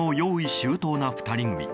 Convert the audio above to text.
周到な２人組。